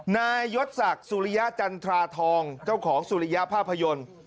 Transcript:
นายยศศักดิ์สุริยะจันทราทองเจ้าของสุริยภาพยนตร์